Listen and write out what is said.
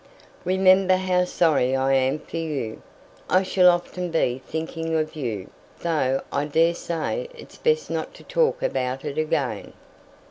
Remember how sorry I am for you! I shall often be thinking of you, though I daresay it's best not to talk about it again."